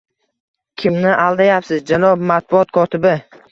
Kimni aldayapsiz, janob matbuot kotibi?!